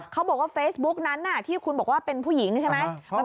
เขาบอกว่าเฟซบุ๊กนั้นที่คุณบอกว่าเป็นผู้หญิงใช่ไหม